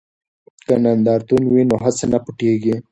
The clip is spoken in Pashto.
که نندارتون وي نو هڅه نه پټیږي.